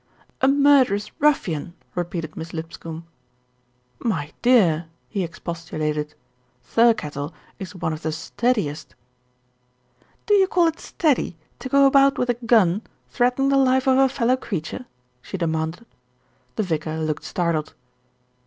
"A murderous ruffian," repeated Miss Lipscombe. "My dear," he expostulated, "Thirkettle is one of the steadiest " "Do you call it steady to go about with a gun threat ening the life of a fellow creature?" she demanded. The vicar looked startled.